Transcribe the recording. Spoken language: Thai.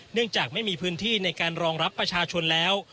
จากไม่มีพื้นที่ในการรองรับประชาชนแล้ว